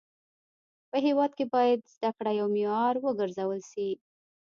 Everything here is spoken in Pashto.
په هيواد کي باید زده کړه يو معيار و ګرځول سي.